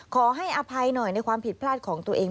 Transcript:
ขอให้อภัยหน่อยในความผิดพลาดของตัวเอง